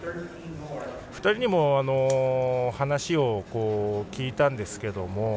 ２人にも話を聞いたんですけども。